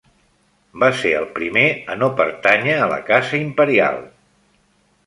Va ser el primer a no pertànyer a la casa imperial.